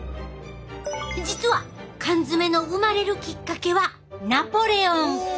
実は缶詰の生まれるきっかけはナポレオン！